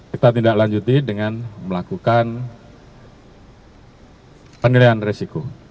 kita tidak lanjuti dengan melakukan penilaian risiko